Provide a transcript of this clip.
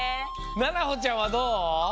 ななほちゃんはどう？